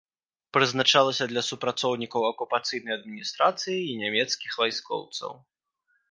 Прызначалася для супрацоўнікаў акупацыйнай адміністрацыі і нямецкіх вайскоўцаў.